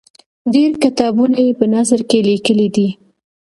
ډېر کتابونه یې په نثر کې لیکلي دي.